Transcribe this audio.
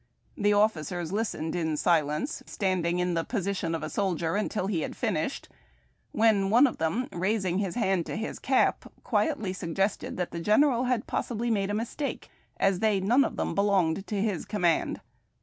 The officers listened in silence, respectfidl}^ standing in the 'posi tion of a soldier ' until he had finished, when one of them, raising his hand to his cap, quietly suggested that the general had possibly made a mistake, as they none of them belonged to his command.